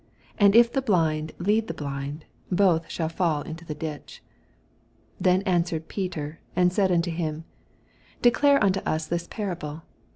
And if the blind lead the blind, both shall fkll into the ditch. 16 Then answered Peter and said unto him, Dedare nnto ns this para ble.